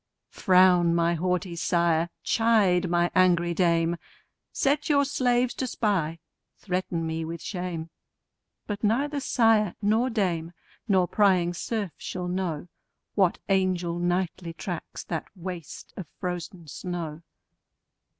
Frown, my haughty sire! chide, my angry dame! Set your slaves to spy; threaten me with shame: But neither sire nor dame, nor prying serf shall know, What angel nightly tracks that waste of frozen snow.